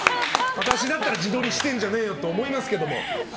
私だったら自撮りしてんじゃねえよと思いますけど。